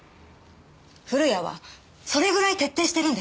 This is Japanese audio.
古谷はそれぐらい徹底してるんです。